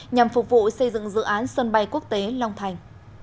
nhằm phục vụ xây dựng dự án sân bay quốc tế long thành